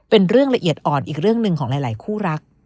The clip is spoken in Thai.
เป็นเรื่องละเอียดอ่อนอีกเรื่องหนึ่งของหลายคู่รัก